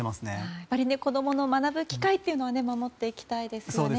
やっぱり子供の学ぶ機会は守っていきたいですよね。